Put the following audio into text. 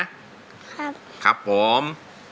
ครับครับผม